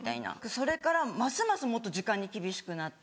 それからますますもっと時間に厳しくなって。